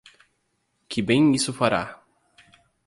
Que bem isso fará?